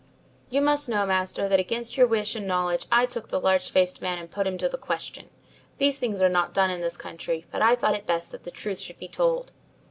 "You must know, master, that against your wish and knowledge, I took the large faced man and put him to the question. These things are not done in this country, but I thought it best that the truth should be told.